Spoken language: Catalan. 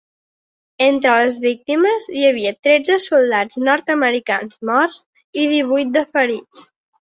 Entre les víctimes hi havia tretze soldats nord-americans morts i divuit de ferits.